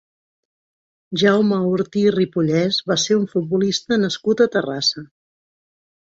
Jaume Ortí Ripollès va ser un futbolista nascut a Terrassa.